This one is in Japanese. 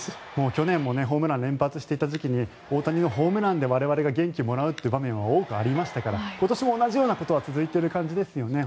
去年もホームランを連発していた時期に大谷選手がホームランで我々が元気をもらう場面は多くありましたから今年も同じようなことは続いている感じですよね。